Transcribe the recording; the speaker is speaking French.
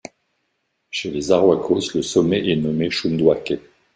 Chez les Arhuacos, le sommet est nommé Chunduake.